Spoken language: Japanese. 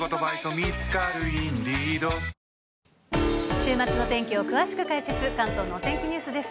週末の天気を詳しく解説、関東のお天気ニュースです。